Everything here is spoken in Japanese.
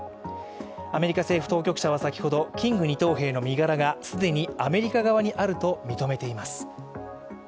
アメリカ政府当局者は先ほどキング２等兵の身柄がアメリカ側にあると認めています。